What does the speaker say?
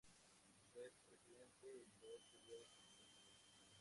Fue su presidente en dos períodos consecutivos.